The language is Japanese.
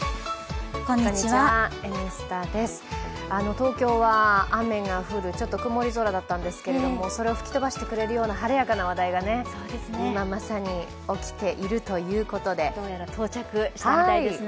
東京は雨が降る、ちょっと曇り空だったんですけれどもそれを吹き飛ばしてくれるような話題が今まさに起きているということでどうやら到着したみたいですね。